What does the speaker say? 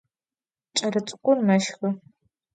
Ç'elets'ık'ur meşxı.